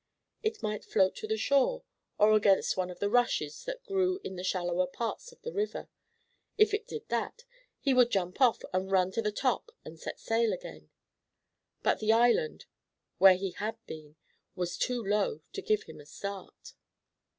It might float to the shore, or against one of the rushes that grew in the shallower parts of the river. If it did that, he would jump off and run up to the top and set sail again, but the island, where he had been, was too low to give him a start.